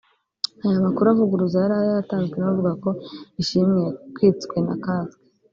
Aya makuru avuguruza ayari yatanzwe n’abavugaga ko Ishimwe yatwitswe na ‘Casque’